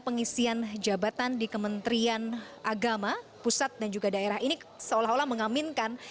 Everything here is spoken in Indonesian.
pengisian jabatan di kementerian agama pusat dan juga daerah ini seolah olah mengaminkan